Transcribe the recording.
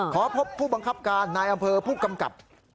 ขอพบผู้บังคับการนายอำเภอผู้กำกับ